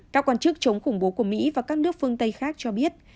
các quan chức chống khủng bố của mỹ và các nước phương tây khác cho biết